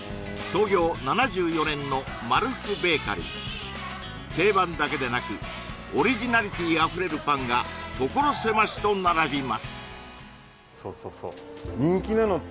創業７４年の定番だけでなくオリジナリティーあふれるパンが所狭しと並びますそうそう